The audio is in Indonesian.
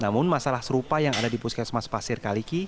namun masalah serupa yang ada di puskesmas pasir kaliki